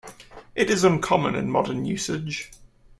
It is uncommon in modern usage.